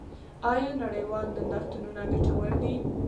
آیا نړیوال نندارتونونه ګټور دي؟